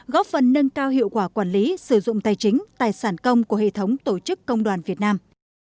góp phần nâng cao hiệu quả quản lý sử dụng tài chính tài sản công của hệ thống tổ chức công đoàn việt nam